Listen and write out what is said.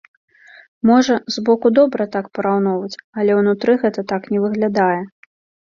Можа, збоку добра так параўноўваць, але ўнутры гэта так не выглядае.